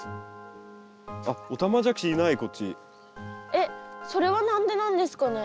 えっそれは何でなんですかね？